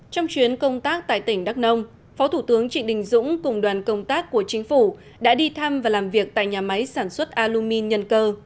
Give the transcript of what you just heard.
trong chuyến công tác tại tỉnh đắk nông phó thủ tướng trịnh đình dũng cùng đoàn công tác của chính phủ đã đi thăm và làm việc tại nhà máy sản xuất alumin nhân cơ